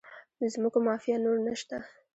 د ځمکو مافیا نور نشته؟